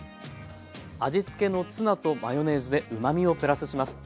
味付けのツナとマヨネーズでうまみをプラスします。